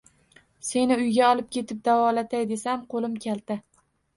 Seni uyga olib ketib, davolatay desam, qo`lim kalta